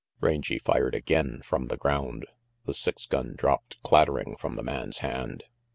Rangy fired again, from the ground. The six gun dropped clattering from the man's hand.